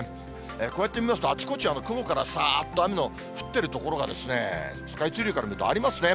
こうやって見ますと、あちこち雲からさーっと雨の降ってる所が、スカイツリーから見るとありますね。